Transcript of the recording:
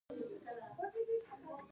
دوی هر ډول الوتکې جوړوي.